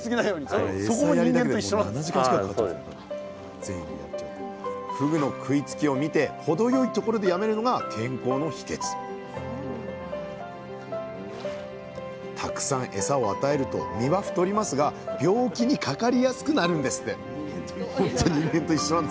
そこもふぐの食いつきを見て程よいところでやめるのが健康の秘けつたくさんエサを与えると身は太りますが病気にかかりやすくなるんですって人間と一緒じゃない。